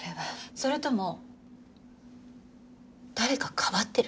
それとも誰かをかばってる？